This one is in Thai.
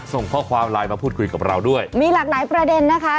ส่งข้อความไลน์มาพูดคุยกับเราด้วยมีหลากหลายประเด็นนะคะ